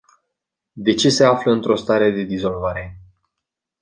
De ce se află într-o stare de dizolvare?